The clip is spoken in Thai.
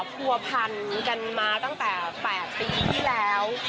ผัวพันกันมาตั้งแต่๘ปีที่แล้ว